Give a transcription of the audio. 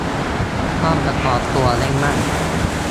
ต้องประคองตัวให้มั่น